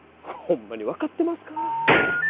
ホンマに分かってますか？